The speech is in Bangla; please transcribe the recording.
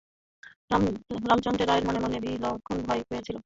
রামচন্দ্র রায়ের মনে মনে বিলক্ষণ ভয় হইতেছিল।